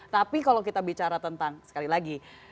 tapi kalau kita bicara tentang sekali lagi